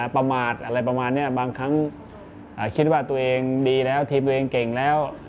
ประมาทอะไรประมาณนี้บางครั้งคิดว่าตัวเองดีแล้วทีมตัวเองเก่งแล้ว